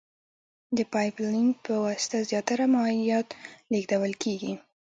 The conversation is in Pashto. د پایپ لین په واسطه زیاتره مایعات لېږدول کیږي.